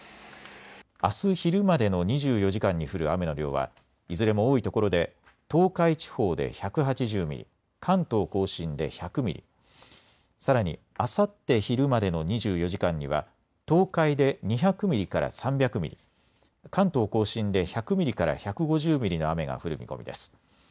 あす昼までの２４時間に降る雨の量は、いずれも多いところで東海地方で１８０ミリ、関東甲信で１００ミリ、さらに、あさって昼までの２４時間には東海で２００ミリから３００ミリ、関東甲信で１００ミリから１５０ミリの雨が降る見込みです。